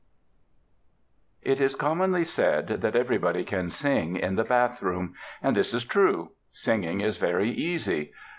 It is commonly said that everybody can sing in the bathroom; and this is true. Singing is very easy.